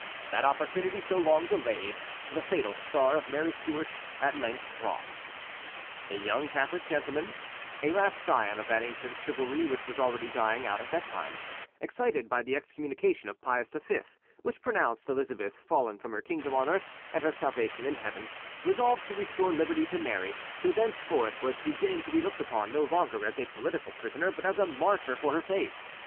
That opportunity, so long delayed, the fatal star of Mary Stuart at length brought. A young Catholic gentleman, a last scion of that ancient chivalry which was already dying out at that time, excited by the excommunication of Pius V, which pronounced Elizabeth fallen from her kingdom on earth and her salvation in heaven, resolved to restore liberty to Mary, who thenceforth was beginning to be looked upon, no longer as a political prisoner, but as a martyr for her faith.